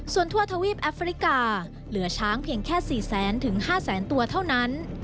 ส่วนทั่วทวีปแอฟริกาเหลือช้างเพียงแค่๔แสนถึง๕แสนตัวเท่านั้น